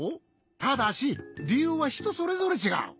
ただしりゆうはひとそれぞれちがう。